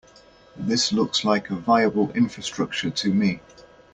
This looks like a viable infrastructure to me.